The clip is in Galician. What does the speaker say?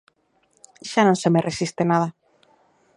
Xa non se me resiste nada.